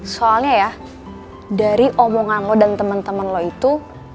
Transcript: soalnya ya dari omongan lo dan teman teman lo itu